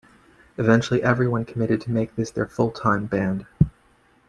Eventually, everyone committed to make this their full-time band.